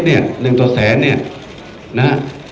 เดินตัวแสนนะ